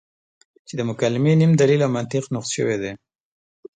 چې د مکالمې نیم دلیل او منطق نقص شوی دی.